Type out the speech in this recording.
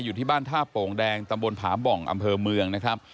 อยู่ที่บ้านท่าโป่งแดงตำบลผาบ่องอำเภอเมืองนะครับ